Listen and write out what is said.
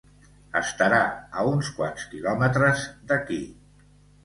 Estarà a uns quants quilòmetres d'aquí.